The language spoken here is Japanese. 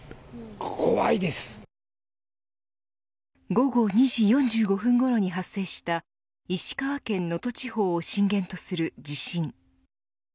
午後２時４５分ごろに発生した石川県能登地方を震源とする地震。